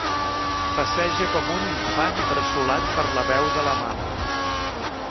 Passeja com un infant bressolat per la veu de la mama.